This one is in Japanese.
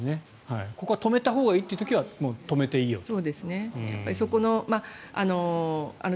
ここは止めたほうがいいという時は止めたほうがいいよと。